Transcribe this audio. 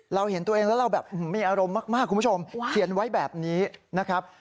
เราเห็นตัวเองแล้วเราแบบมีอารมณ์มากคุณผู้ชมเขียนไว้แบบนี้นะครับ